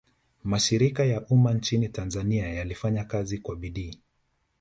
mashirika ya umma nchini tanzania yalifanya kazi kwa bidii